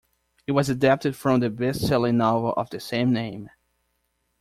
It was adapted from the bestselling novel of the same name.